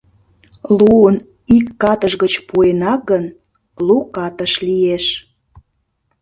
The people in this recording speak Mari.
Луын ик катыш гыч пуэна гын, лу катыш лиеш.